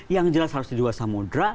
yang jelas harus di dua samudera